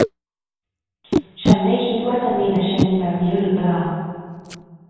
ฉันไม่คิดว่าจะมีดัชนีแบบนี้หรือเปล่า ?